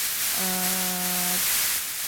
alat yang dapat meredam bunyi pistol